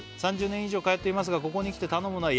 「３０年以上通っていますがここに来て頼むのは」